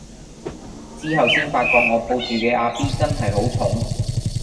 之後先發覺我抱住嘅阿 B 真係好重